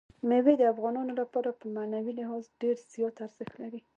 مېوې د افغانانو لپاره په معنوي لحاظ ډېر زیات ارزښت لري.